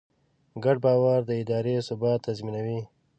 ګډ باور د ادارې ثبات تضمینوي.